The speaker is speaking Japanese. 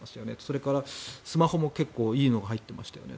それからスマホも結構いいのが入っていましたね。